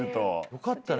よかったね。